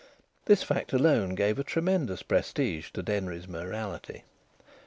This fact alone gave a tremendous prestige to Denry's mayoralty.